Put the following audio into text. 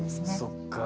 そっか。